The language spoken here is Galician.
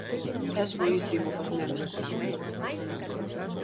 Es boísimo cos nenos.